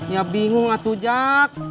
ya bingung atuh jak